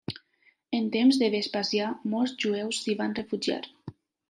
En temps de Vespasià molts jueus s'hi van refugiar.